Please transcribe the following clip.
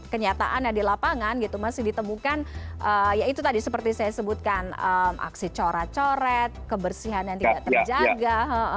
perlindungan masih ditemukan ya itu tadi seperti saya sebutkan aksi cora coret kebersihan yang tidak terjaga